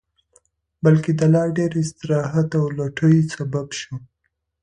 بلکې د لا ډېر استراحت او لټۍ سبب شو